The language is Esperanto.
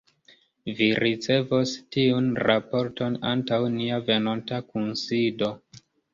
Vi ricevos tiun raporton antaŭ nia venonta kunsido.